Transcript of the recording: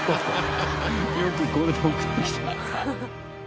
よくこれで送ってきたな。